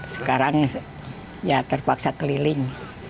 sekarang ya terpaksa keliling